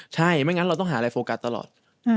ใช่ไม่งั้นเราต้องหาอะไรโฟกัสตลอด